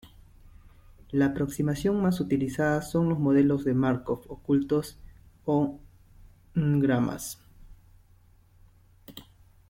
La aproximación más utilizada son los Modelos de Markov Ocultos o n-gramas.